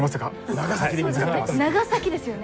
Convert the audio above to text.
長崎ですよね。